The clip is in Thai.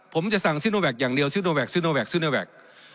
ผมจะสั่งซิโนแวคอย่างเดียวซิโนแกคซิโนแกคซิโนแวค